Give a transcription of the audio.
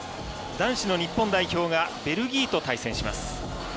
男子の日本代表がベルギーと対戦します。